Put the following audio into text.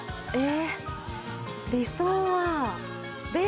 えっ理想は。